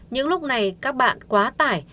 những lúc này các bạn quá tải